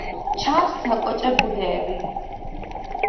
ჩანს საკოჭე ბუდეები.